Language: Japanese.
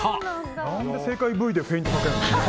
何で正解Ｖでフェイントかけるの。